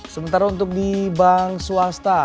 sementara untuk di bank swasta